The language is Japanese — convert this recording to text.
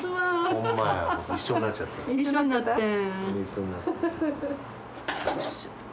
一緒になってん。